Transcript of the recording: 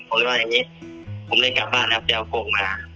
ผมเลยบอกอย่างงี้ผมเลยกลับบ้านครับจะเอาโกงมา